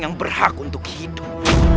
yang berhak untuk hidup